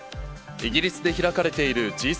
イギリスで開かれているＧ７